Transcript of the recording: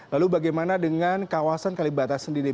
lalu bagaimana dengan kawasan kalibata sendiri